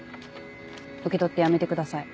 受け取って辞めてください。